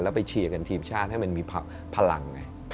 แล้วไปเชียร์กันทีมชาติให้มันมีพลังไง